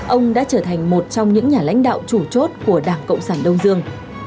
ông đã trở thành một trong những nhà lãnh đạo chủ chốt của đảng cộng sản đông dương